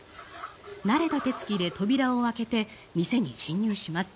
慣れた手付きで扉を開けて店に侵入します。